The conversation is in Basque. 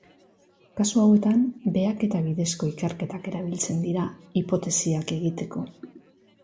Kasu hauetan, behaketa bidezko ikerketak erabiltzen dira hipotesiak egiteko.